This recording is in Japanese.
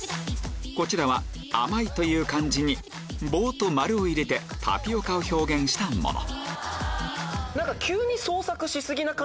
こちらは甘いという漢字に棒と丸を入れてタピオカを表現したもの